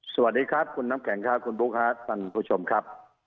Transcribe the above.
สวัสดีครับคุณน้ำแข็งครับคุณบุ๊คครับท่านผู้ชมครับ